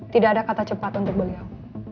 tidak ada kata cepat untuk beliau